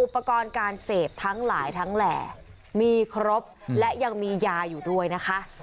อุปกรณ์การเสพทั้งหลายทั้งแหล่มีครบและยังมียาอยู่ด้วยนะคะ